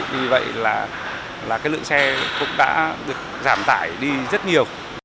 vì vậy là lượng xe cũng đã được giảm tải đi rất nhiều